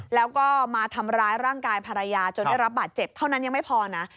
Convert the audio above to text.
แล้วก็มาทำร้ายร่างกายภรรยาจนได้รับบาดเจ็บเท่านั้นยังไม่พอนะ